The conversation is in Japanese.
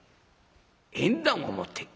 縁談を持ってくる。